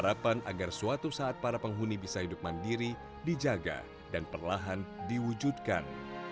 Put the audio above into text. itu saat para penghuni bisa hidup mandiri dijaga dan perlahan diwujudkan